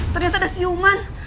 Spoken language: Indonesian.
ternyata ada siuman